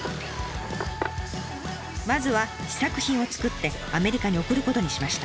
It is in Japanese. まずは試作品をつくってアメリカに送ることにしました。